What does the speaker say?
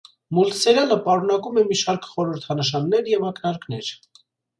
Մուլտսերիալը պարունակում է մի շարք «խորհրդանշաններ» և ակնարկներ։